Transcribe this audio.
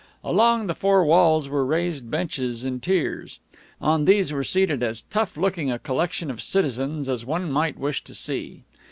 Along the four walls were raised benches in tiers. On these were seated as tough looking a collection of citizens as one might wish to see.